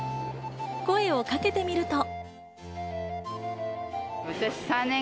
声をかけてみると。